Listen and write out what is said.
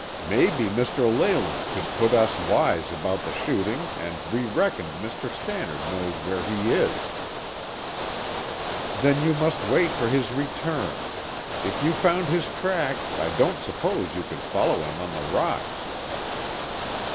"Maybe Mr. Leyland could put us wise about the shooting and we reckoned Mr. Stannard knows where he is." "Then you must wait for his return. If you found his track, I don't suppose you could follow him on the rocks."